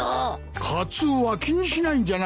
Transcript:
カツオは気にしないんじゃなかったのか？